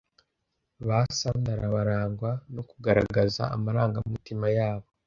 Ba Sandra barangwa no kugaragaza amarangamutima yabo